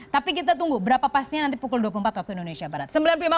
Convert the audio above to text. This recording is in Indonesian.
tapi kita tunggu berapa pastinya nanti pukul dua puluh empat waktu indonesia barat